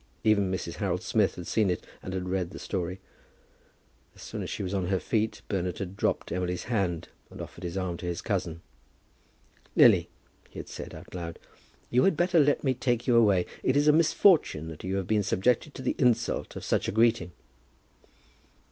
Even Mrs. Harold Smith had seen it, and had read the story. As soon as she was on her feet, Bernard had dropped Emily's hand, and offered his arm to his cousin. "Lily," he had said out loud, "you had better let me take you away. It is a misfortune that you have been subjected to the insult of such a greeting."